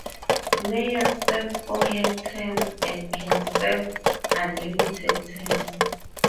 Mayors serve four-year terms and can serve unlimited terms.